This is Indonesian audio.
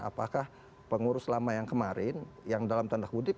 apakah pengurus lama yang kemarin yang dalam tanda kutip